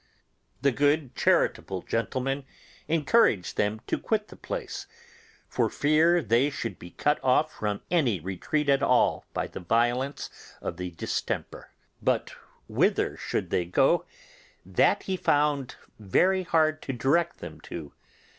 The good, charitable gentleman encouraged them to quit the Place for fear they should be cut off from any retreat at all by the violence of the distemper; but whither they should go, that he found very hard to direct them to.